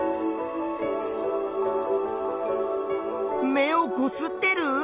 目をこすってる？